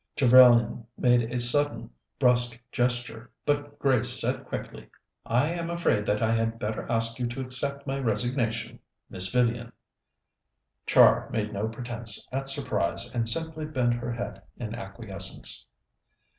Trevellyan made a sudden brusque gesture, but Grace said quickly: "I am afraid that I had better ask you to accept my resignation, Miss Vivian." Char made no pretence at surprise, and simply bent her head in acquiescence.